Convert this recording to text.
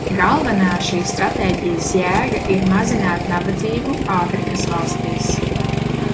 Galvenā šīs stratēģijas jēga ir mazināt nabadzību Āfrikas valstīs.